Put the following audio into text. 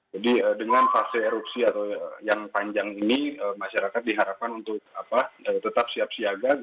jadi dengan fase erupsi yang panjang ini masyarakat diharapkan untuk tetap siap siaga